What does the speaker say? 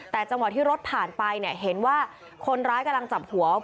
แต่จังหวะที่รถผ่านไปเนี่ยเห็นว่าคนร้ายกำลังจับหัว